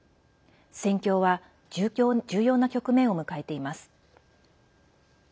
戦況は重要な局面を迎えています。